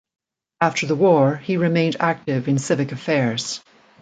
After the war he remained active in civic affairs.